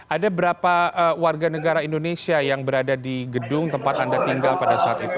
ada berapa warga negara indonesia yang berada di gedung tempat anda tinggal pada saat itu